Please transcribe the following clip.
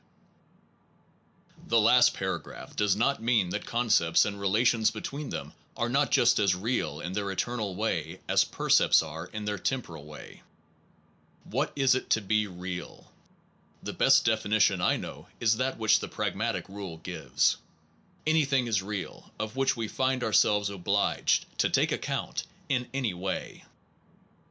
1 The last paragraph does not mean that con cepts and the relations between them are not 2 Con 3 ust as * rea ^ m tne ^ r * eternal way as ceptual percepts are in their temporal way. systems are dis What is it to be real ? The best realms of definition I know is that which the pragmatist rule gives: anything is> real of which we find ourselves obliged to take account in any way.